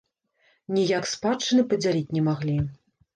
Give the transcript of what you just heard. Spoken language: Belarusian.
Ніяк спадчыны падзяліць не маглі.